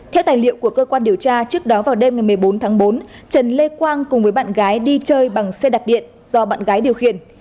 theo tài liệu của cơ quan điều tra trước đó vào đêm ngày một mươi bốn tháng bốn trần lê quang cùng với bạn gái đi chơi bằng xe đạp điện do bạn gái điều khiển